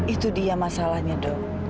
itu dia masalahnya do